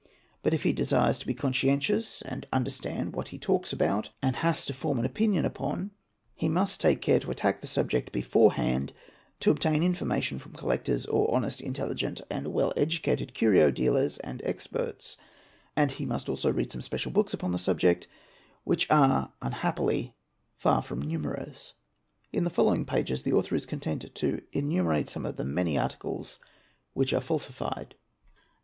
But if he desires to be conscientious and understand what he talks about and has to form ai opinion upon, he must take care to attack the subject beforehand, te obtain information from collectors or honest, intelligent, and well educatet curio dealers and experts, and he must also read some special books upo: the subject which are unhappily far from numerous "199 1200, .| In the following pages the author is content to innumerate some of | the many articles which are falsified.